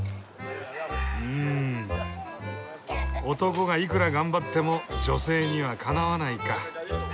うん「男がいくら頑張っても女性にはかなわない」か。